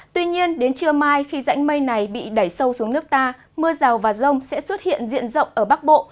tuy nhiên đến trưa mai khi rãnh mây này bị đẩy sâu xuống nước ta mưa rào và rông sẽ xuất hiện diện rộng ở bắc bộ